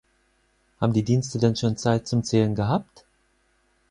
Haben die Dienste denn schon Zeit zum Zählen gehabt?